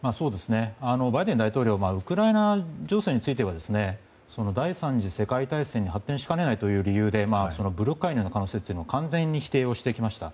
バイデン大統領はウクライナ情勢については第３次世界大戦に発展しかねないという理由で武力介入を否定してきました。